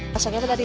masakan itu tadi